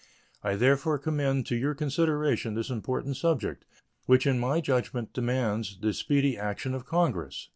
I therefore commend to your consideration this important subject, which in my judgment demands the speedy action of Congress.